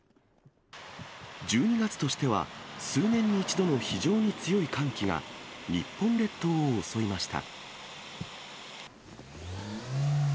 １２月としては、数年に一度の非常に強い寒気が、日本列島を襲いました。